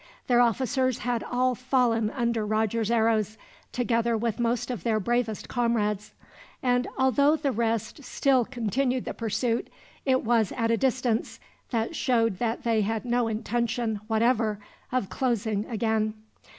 Their officers had all fallen under Roger's arrows, together with most of their bravest comrades; and although the rest still continued the pursuit, it was at a distance that showed that they had no intention, whatever, of closing again.